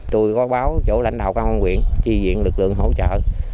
tôi báo chỗ lãnh đạo công an quyền chi viện lực lượng hỗ trợ